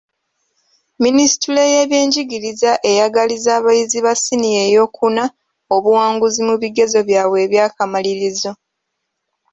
Minisitule y'ebyenjigiriza eyagaliza abayizi ba siniya eyookuna obuwanguzi mu bigezo byabwe eby'akamalirizo.